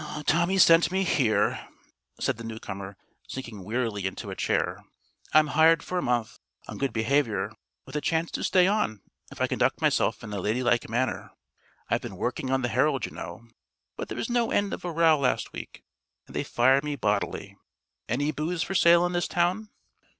"Tommy sent me here," said the newcomer, sinking wearily into a chair. "I'm hired for a month, on good behavior, with a chance to stay on if I conduct myself in a ladylike manner. I've been working on the Herald, you know; but there was no end of a row last week, and they fired me bodily. Any booze for sale in this town?"